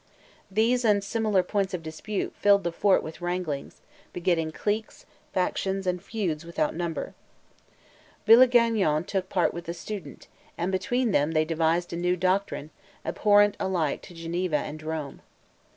These and similar points of dispute filled the fort with wranglings, begetting cliques, factions, and feuds without number. Villegagnon took part with the student, and between them they devised a new doctrine, abhorrent alike to Geneva and to Rome.